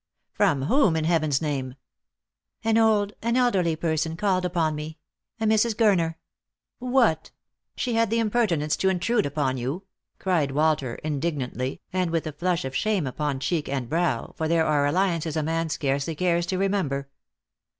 " From whom, in Heaven's name ?"" An old — an elderly person called upon me — a Mrs. Gurner.'* " What, she had the impertinence to intrude upon you !" cried Walter indignantly, and with a flush of shame upon cheek and brow, for there are alliances a man scarcely cares to re member.